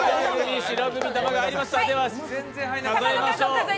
では数えましょう。